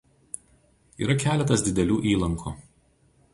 Yra keletas didelių įlankų.